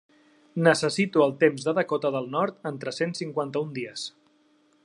Necessito el temps de Dakota del Nord en tres-cents cinquanta-un dies